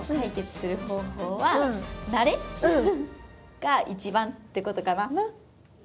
が一番ってことかな。